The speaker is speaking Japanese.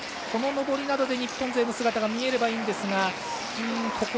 この上りで日本勢の姿が見えればいいんですが。